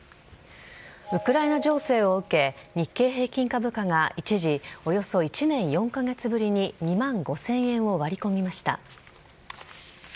ウクライナ情勢を受け、日経平均株価が一時、およそ１年４か月ぶりに２万５０００円を割り込みました。